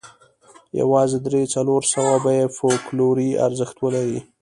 یوازې درې څلور سوه به یې فوکلوري ارزښت ولري.